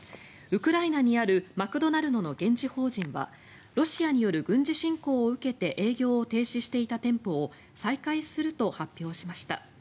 ウクライナにあるマクドナルドの現地法人はロシアによる軍事侵攻を受けて営業を停止していた店舗を再開すると発表しました。